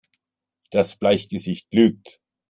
Das Bleichgesicht lügt!